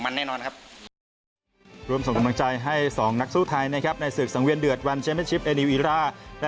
แล้วก็ทางญี่ปุ่นก็มาดูนะครับ